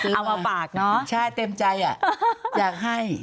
เอามาฝากเนอะใช่เต็มใจอ่ะอยากให้